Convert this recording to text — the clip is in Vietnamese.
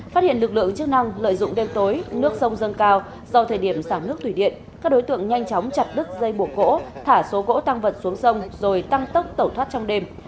phát hiện lực lượng chức năng lợi dụng đêm tối nước sông dâng cao do thời điểm xả nước thủy điện các đối tượng nhanh chóng chặt đứt dây bùa gỗ thả số gỗ tăng vật xuống sông rồi tăng tốc tẩu thoát trong đêm